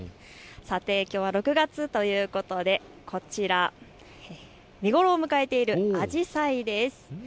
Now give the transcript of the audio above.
きょうは６月ということでこちら、見頃を迎えているアジサイです。